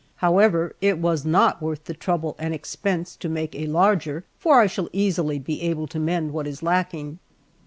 However, it was not worth the trouble and expense to make a larger; for I shall easily be able to mend what is lacking.